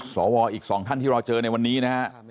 สวอีก๒ท่านที่เราเจอในวันนี้นะฮะ